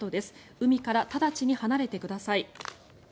海から直ちに離れてください。